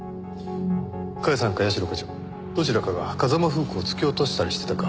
甲斐さんか社課長どちらかが風間楓子を突き落としたりしてたか？